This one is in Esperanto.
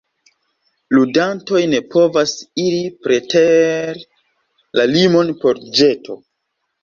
Ludantoj ne povas iri preter la limon por la ĵeto.